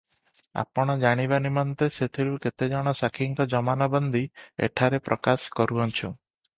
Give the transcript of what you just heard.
ଆପଣ ଜାଣିବା ନିମନ୍ତେ ସେଥିରୁ କେତେ ଜଣ ସାକ୍ଷୀଙ୍କ ଜମାନବନ୍ଦି ଏଠାରେ ପ୍ରକାଶ କରୁଅଛୁଁ -